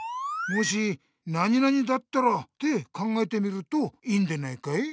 「もしだったら？」って考えてみるといいんでないかい？